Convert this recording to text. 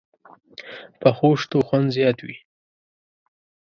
پخو شتو خوند زیات وي